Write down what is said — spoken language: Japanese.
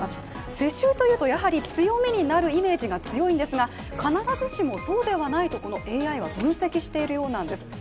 世襲というと強みになるイメージが強いんですが必ずしもそうではないとＡＩは分析しているようなんです。